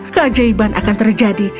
keajaiban akan terjadi